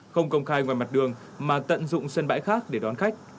không công khai ngoài mặt đường mà tận dụng sân bãi khác để đón khách